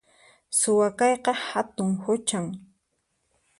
Suwa kayqa hatun huchan